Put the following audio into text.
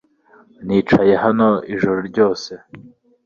Nicaye hano ijoro ryose.